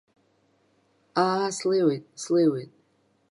Аа, слеиуеит, слеиуеит!